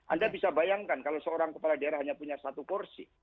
anda bisa bayangkan kalau seorang kepala daerah hanya punya satu kursi